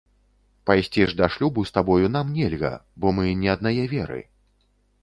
Пайсці ж да шлюбу з табою нам нельга, бо мы не аднае веры.